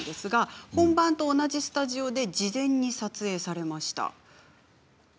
本番と同じスタジオで事前に撮影されました。